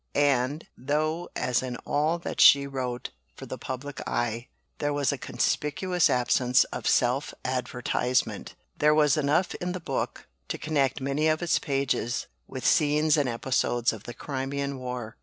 And, though, as in all that she wrote for the public eye, there was a conspicuous absence of self advertisement, there was enough in the book to connect many of its pages with scenes and episodes of the Crimean War.